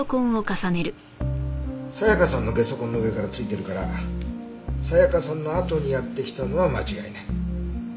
沙也加さんのゲソ痕の上から付いてるから沙也加さんのあとにやって来たのは間違いない。